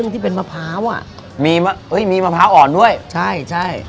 ที่เป็นมะพร้าวอ่ะมีเอ้ยมีมะพร้าวอ่อนด้วยใช่ใช่